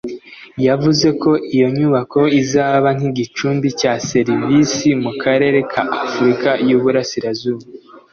yavuze ko iyo nyubako izaba nk’igicumbi cya serivisi mu karere ka Afurika y’Uburasirazuba